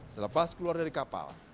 selepas keluar dari kapal